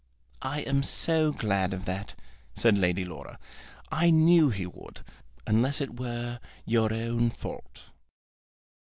"I am so glad of that," said Lady Laura. "I knew he would, unless it were your own fault."